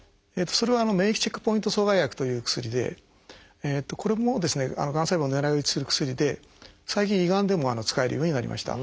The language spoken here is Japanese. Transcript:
それは「免疫チェックポイント阻害薬」という薬でこれもがん細胞を狙い撃ちする薬で最近胃がんでも使えるようになりました。